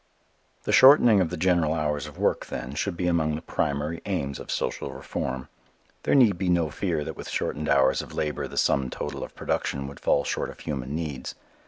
The shortening of the general hours of work, then, should be among the primary aims of social reform. There need be no fear that with shortened hours of labor the sum total of production would fall short of human needs.